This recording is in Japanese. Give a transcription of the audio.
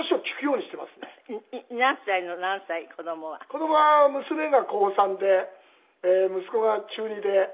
子供は娘が高３で息子が中２で。